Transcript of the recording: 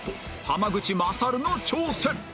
濱口優の挑戦